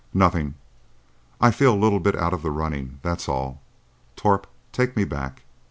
"Nothing. I feel a little bit out of the running,—that's all. Torp, take me back.